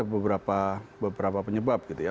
artinya ada beberapa penyebab gitu ya